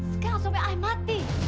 sekarang suami saya mati